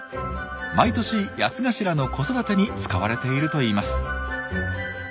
毎年ヤツガシラの子育てに使われているといいます。